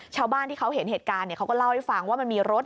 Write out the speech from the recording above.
ชาวบ้านที่เขาเห็นเหตุการณ์เขาก็เล่าให้ฟังว่ามันมีรถ